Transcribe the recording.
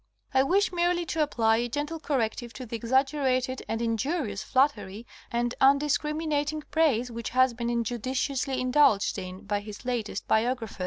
I wish merely to apply a gentle corrective to the exaggerated and injurious flattery and undiscriminating praise which has been injudiciously indulged in by his latest biographer.